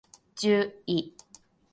じゅい